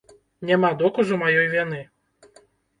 Няма доказу маёй віны.